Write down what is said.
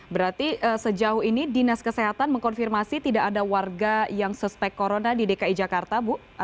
berarti sejauh ini dinas kesehatan mengkonfirmasi tidak ada warga yang suspek corona di dki jakarta bu